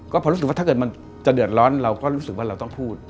ก็พอรู้สึกว่าถ้าเกิดมันจะเดือดร้อนเราก็รู้สึกว่าเราต้องพูด